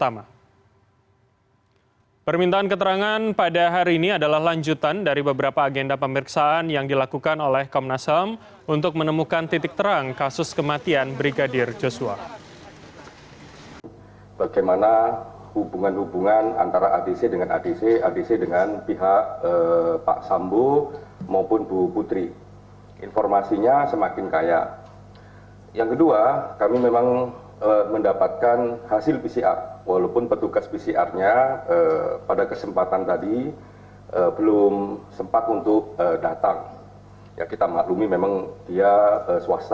menemukan titik terang kasus kematian brigadir joshua